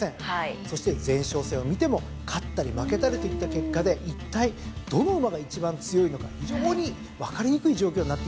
そして前哨戦を見ても勝ったり負けたりといった結果でいったいどの馬が一番強いのか非常に分かりにくい状況になっています。